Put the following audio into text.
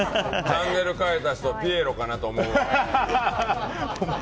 チャンネル変えた人ピエロかなと思う。